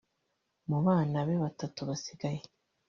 Mu bana be batatu basigaye